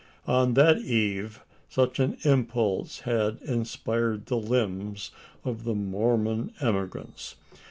On that eve, such an impulse had inspired the limbs of the Mormon emigrants.